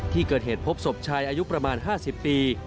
ที่เกิดเหตุพบศพชายอายุประมาณ๕๐ปี